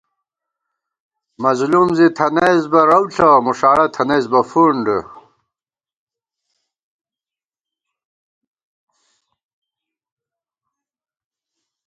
مظلُوم زی تھنَئیس بہ رَؤ ݪہ مُݭاڑہ تھنَئیس بہ فُنڈ